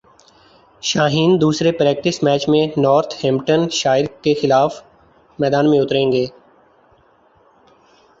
شاہین دوسرے practice match میں Northamptonshire کیخلاف میدان میں اتریں گے